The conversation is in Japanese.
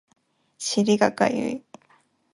尻がかゆい